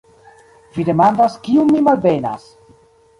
Vi demandas, kiun mi malbenas!